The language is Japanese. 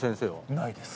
ないです。